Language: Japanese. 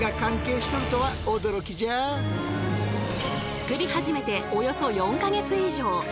作り始めておよそ４か月以上。